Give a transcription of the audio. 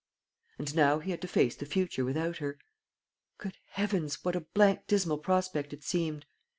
And now he had to face the future without her. Good heavens! what a blank dismal prospect it seemed!